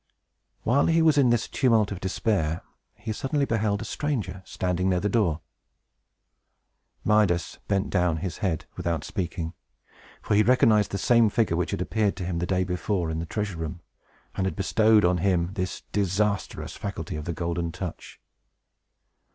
While he was in this tumult of despair, he suddenly beheld a stranger standing near the door. Midas bent down his head, without speaking; for he recognized the same figure which had appeared to him, the day before, in the treasure room, and had bestowed on him this disastrous faculty of the Golden Touch.